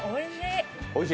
おいしい！